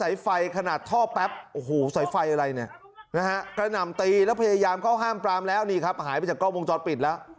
แรกข้อมูลว่าผู้เสียชีวิตถือกผู้ชาย๕๘ปีที่บที่หน้าอกกระหน่ำตีพยายามพยายามก็ห้ามปลามแล้วหายไปจากกล้องวงจรปิด